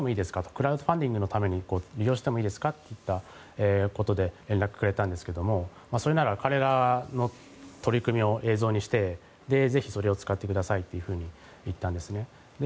クラウドファンディングのために利用してもいいですかといったことで連絡をくれたんですがそれなら彼らの取り組みを映像にしてぜひそれを使ってくださいと言ったんですね。